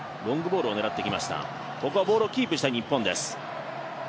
ここはボールをキープしたい日本です。